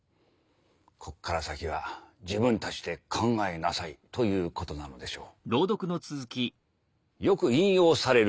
ここから先は自分たちで考えなさいということなのでしょう。